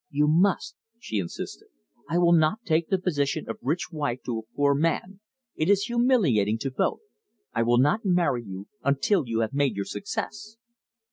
"You must," she insisted. "I will not take the position of rich wife to a poor man; it is humiliating to both. I will not marry you until you have made your success."